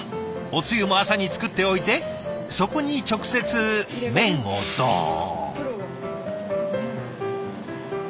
おつゆも朝に作っておいてそこに直接麺をどん。